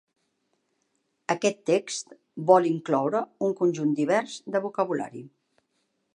Aquest text vol incloure un conjunt divers de vocabulari.